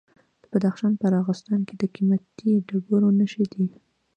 د بدخشان په راغستان کې د قیمتي ډبرو نښې دي.